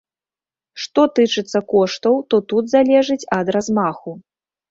Што тычыцца коштаў, то тут залежыць ад размаху.